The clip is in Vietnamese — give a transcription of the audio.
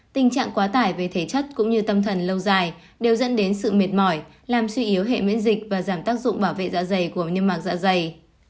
tình trạng quá tải về thể chất cũng như tâm thần lâu dài đều dẫn đến sự mệt mỏi làm suy yếu hệ miễn dịch và giảm tác dụng bảo vệ dạ dày của niêm mạc dạ dày